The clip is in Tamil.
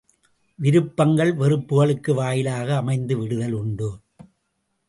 விருப்பங்கள், வெறுப்புகளுக்கு வாயிலாக அமைந்து விடுதல் உண்டு.